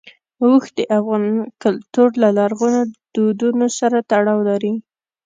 اوښ د افغان کلتور او لرغونو دودونو سره تړاو لري.